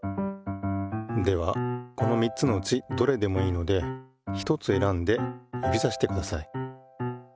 ではこの３つのうちどれでもいいのでひとつ選んで指さしてください。